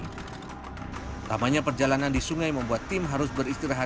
pertama perjalanan di sungai membuat kita berpikir apa yang harus kita lakukan